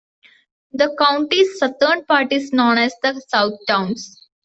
The county's southern part is known as the Southtowns.